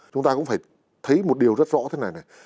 chúng ta cũng phải thấy một điều rất rõ thế này này